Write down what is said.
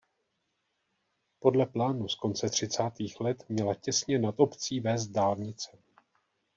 Podle plánů z konce třicátých let měla těsně nad obcí vést dálnice.